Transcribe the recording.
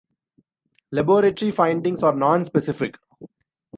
Laboratory findings are nonspecific.